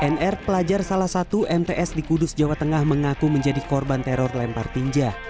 nr pelajar salah satu mts di kudus jawa tengah mengaku menjadi korban teror lempar tinja